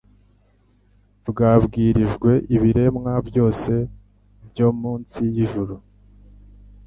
«bwabwirijwe ibiremwa byose byo munsi y'ijuru.'»